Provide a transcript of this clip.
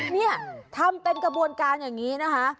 นี่ทำเป็นกระบวนการอย่างนี้นะคะ